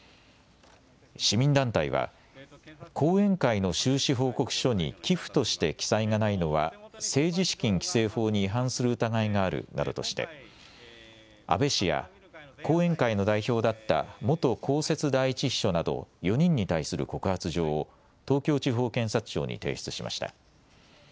市民団体は後援会の収支報告書に寄付として記載がないのは政治資金規正法に違反する疑いがあるなどとして安倍氏や後援会の代表だった元公設第１秘書など４人に対する告発状を東京地方検察庁に提出しました。